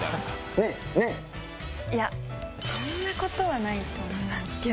いや、そんなことはないと思